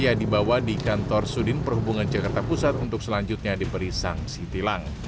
yang dibawa di kantor sudin perhubungan jakarta pusat untuk selanjutnya diberi sanksi tilang